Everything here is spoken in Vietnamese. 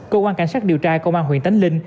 cơ quan cảnh sát điều tra công an huyện tánh linh